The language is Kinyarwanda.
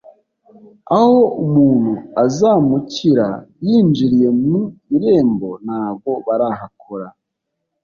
aho umuntu azamukira yinjiriye mu irembo ntago barahakora